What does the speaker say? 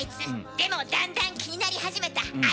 でもだんだん気になり始めたアイツのこと。